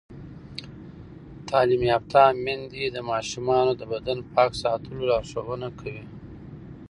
تعلیم یافته میندې د ماشومانو د بدن پاک ساتلو لارښوونه کوي.